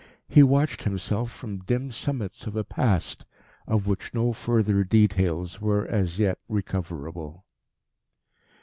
He watched himself from dim summits of a Past, of which no further details were as yet recoverable.